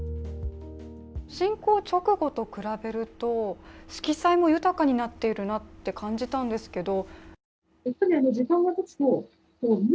侵攻直後と比べると、色彩も豊かになっているなと感じたんですけど。